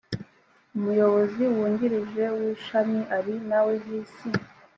umuyobozi wungirije w ishamiari nawe visi